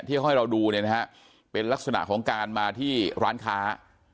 ให้เราดูเนี่ยนะฮะเป็นลักษณะของการมาที่ร้านค้า